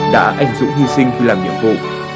đã ảnh dụ hy sinh khi làm nhiệm vụ